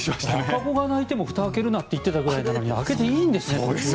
赤子が泣いてもふたを開けるなと言っていたぐらいなのに開けていいんですね。